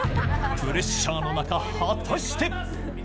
プレッシャーの中、果たして？